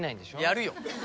やるよ。